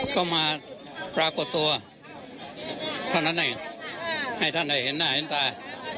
ก็มาพระกฎัวท่านท่านหน่อยให้ท่านได้เห็นหน้าเห็นตาย